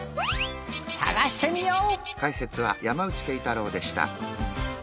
さがしてみよう！